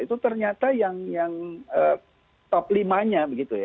itu ternyata yang top limanya